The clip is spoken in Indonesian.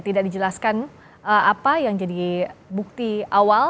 tidak dijelaskan apa yang jadi bukti awal